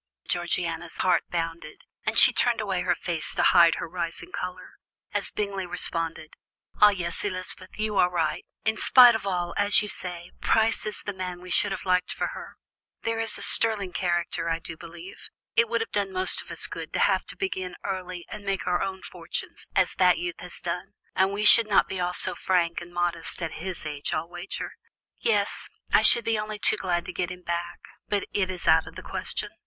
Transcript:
Georgiana's heart bounded, and she turned away her face to hide her rising colour, as Bingley responded: "Ah, yes, Elizabeth, you are right. In spite of all, as you say, Price is the man we should have liked for her. There is a sterling character, I do believe. It would have done most of us good to have to begin early, and make our own fortunes, as that youth has done, and we should not be all so frank and modest at his age, I'll wager. Yes, I should be only too glad to get him back, but it is out of the question.